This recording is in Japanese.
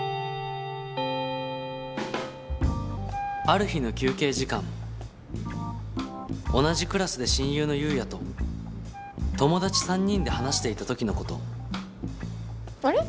ある日の休憩時間同じクラスで親友の優也と友達３人で話していたときのことあれ？